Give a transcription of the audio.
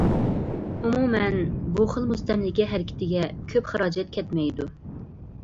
ئومۇمەن، بۇ خىل مۇستەملىكە ھەرىكىتىگە كۆپ خىراجەت كەتمەيدۇ.